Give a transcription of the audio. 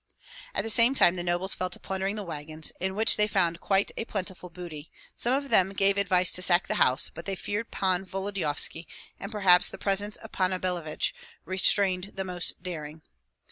At the same time the nobles fell to plundering the wagons, in which they found quite a plentiful booty; some of them gave advice to sack the house, but they feared Pan Volodyovski, and perhaps the presence of Panna Billevich restrained the most daring.